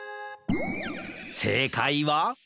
せいかいは？